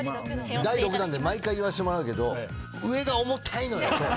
第６弾で毎回言わせてもらうけど上が重たいのよ。